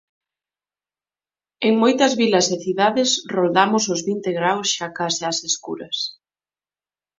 En moitas vilas e cidades roldamos os vinte graos xa case ás escuras.